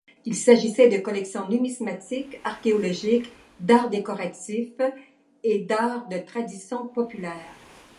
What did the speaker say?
Il s'agissait de collections numismatiques, archéologiques, d'arts décoratifs et d'arts et traditions populaires.